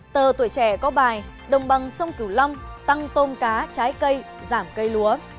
tờ tuổi trẻ có bài đồng bằng sông cửu long tăng tôm cá trái cây giảm cây lúa